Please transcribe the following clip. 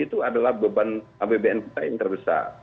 itu adalah beban apbn kita yang terbesar